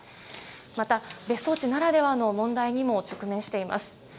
また、別荘地ならではの問題にも直面しています。